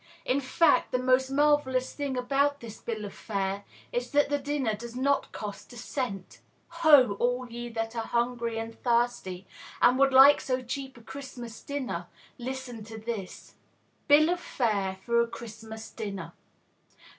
In fact, the most marvellous thing about this bill of fare is that the dinner does not cost a cent. Ho! all ye that are hungry and thirsty, and would like so cheap a Christmas dinner, listen to this BILL OF FARE FOR A CHRISTMAS DINNER.